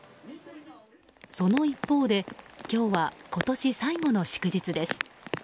その一方で今日は今年最後の祝日です。